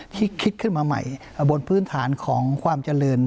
คิดขึ้นมาใหม่บนพื้นฐานของความเจริญ